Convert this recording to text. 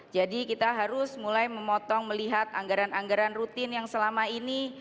kita harus mulai memotong melihat anggaran anggaran rutin yang selama ini